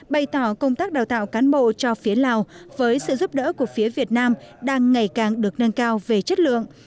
bày tỏ công tác đào tạo cán bộ cho phía lào với sự giúp đỡ của phía việt nam đang ngày càng được nâng cao về chất lượng